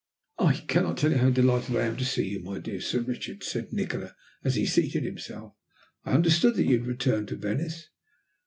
"I cannot tell you how delighted I am to see you, my dear Sir Richard," said Nikola as he seated himself. "I understood that you had returned to Venice."